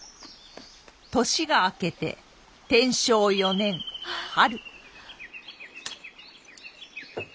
年が明けて天正四年春。